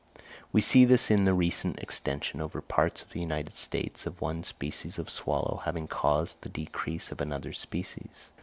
We see this in the recent extension over parts of the United States of one species of swallow having caused the decrease of another species.